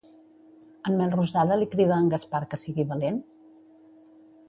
En Melrosada li crida a en Gaspar que sigui valent?